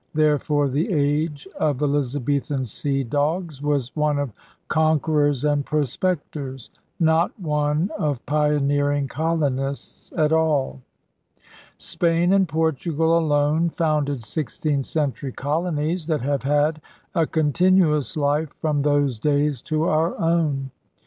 There fore the age of Elizabethan sea dogs was one of conquerors and prospectors, not one of pioneering colonists at all. Spain and Portugal alone founded sixteenth century colonies that have had a continuous life from those days to our own.